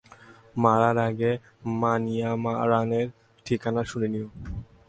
মারার আগে মানিমারানের ঠিকানা শুনে নিও।